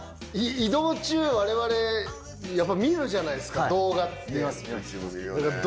移動中われわれやっぱ見るじゃないですか動画って。